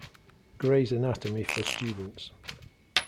Gray's anatomy for students.